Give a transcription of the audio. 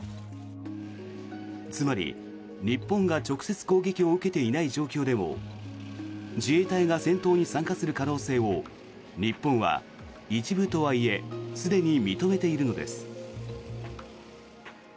つまり、日本が直接攻撃を受けてない状況でも自衛隊が戦闘に参加する可能性を日本は一部とはいえすでに認めているのです。